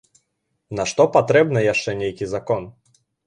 Нашто патрэбна яшчэ нейкі закон?